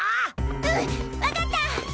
うんわかった！